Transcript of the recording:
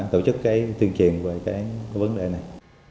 tổ chức cái tuyên truyền về cái vấn đề này